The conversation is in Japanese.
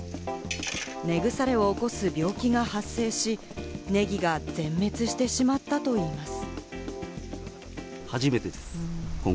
根腐れを起こす病気が発生し、ネギが全滅してしまったといいます。